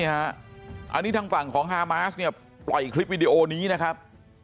อันนี้ทางฝั่งของฮามาสเนี่ยปล่อยคลิปวิดีโอนี้นะครับ